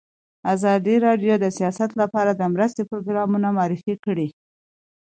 ازادي راډیو د سیاست لپاره د مرستو پروګرامونه معرفي کړي.